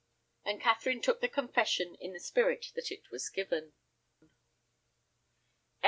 And Catherine took the confession in the spirit that it was given.